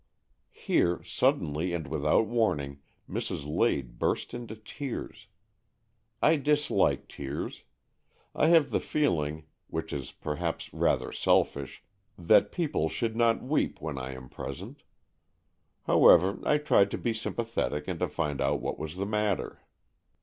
Here, suddenly and without warning, Mrs. Lade burst into tears. I dislike tears. I have the feeling, which is perhaps rather selfish, that people should not weep when I AN EXCHANGE OF SOULS 143 am present. However, I tried to be sympa thetic and to find out what was the matter.